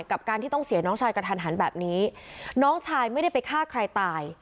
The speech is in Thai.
กับการที่ต้องเสียน้องชายกระทันหันแบบนี้น้องชายไม่ได้ไปฆ่าใครตาย